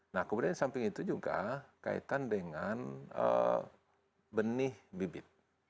nah kemudian di samping itu juga kaitan dengan benih bibit